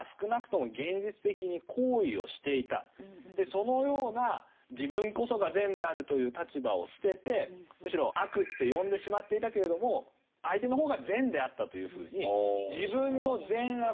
そのような「自分こそが善であるという立場を捨ててむしろ悪って呼んでしまっていたけれども相手の方が善であった」というふうに自分の善悪の判断基準もひっくり返す。